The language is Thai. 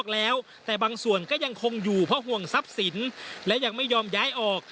และยังไม่ยอมย้ายออก